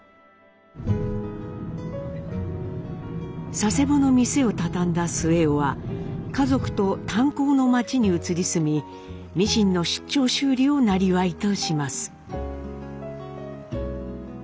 佐世保の店を畳んだ末男は家族と炭鉱の町に移り住みミシンの出張修理をなりわいとします。